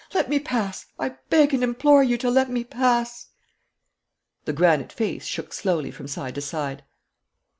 Let me pass; I beg and implore you to let me pass.' The granite face shook slowly from side to side.